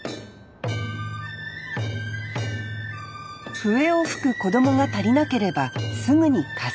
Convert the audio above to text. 笛を吹く子供が足りなければすぐに加勢。